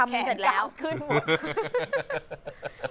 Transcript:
แม่แขนกล้ามขึ้นหมด